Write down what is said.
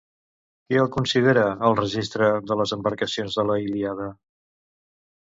Què el considera el Registre de les embarcacions de la Ilíada?